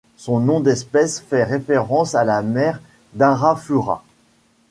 Son nom d'espèce fait référence à la mer d'Arafura.